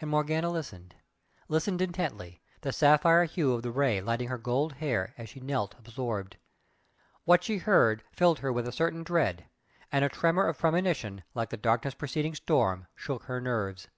And Morgana listened, listened intently, the sapphire hue of the Ray lighting her gold hair, as she knelt, absorbed. What she heard filled her with a certain dread; and a tremor of premonition, like the darkness preceding storm, shook her nerves.